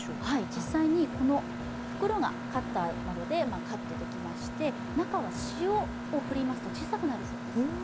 実際に袋がカッターなどでカットできまして中は塩を振りますと小さくなるそうです。